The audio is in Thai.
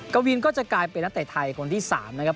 กวินก็จะกลายเป็นนักเตะไทยคนที่๓นะครับ